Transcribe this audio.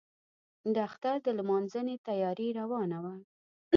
د اختر د لمانځنې تیاري روانه وه.